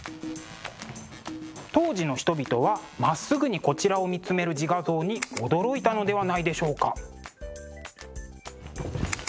当時の人々はまっすぐにこちらを見つめる自画像に驚いたのではないでしょうか？